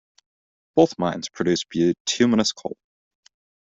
Both mines produce bituminous coal.